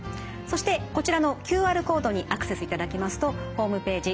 そしてこちらのＱＲコードにアクセスいただきますとホームページ